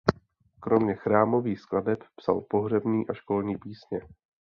Kromě chrámových skladeb psal pohřební a školní písně.